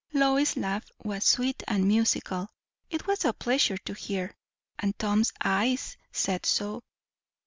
Lois's laugh was sweet and musical; it was a pleasure to hear. And Tom's eyes said so.